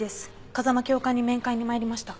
風間教官に面会に参りました。